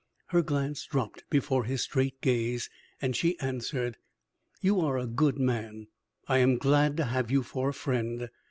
Her glance dropped before his straight gaze, and she answered: "You are a good man. I am glad to have you for a friend.